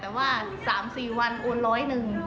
แต่ว่า๓๔วันโอนร้อยหนึ่ง